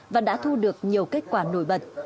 và đã thu được nhiều kết quả nổi bật